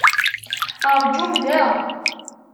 Rǧum da!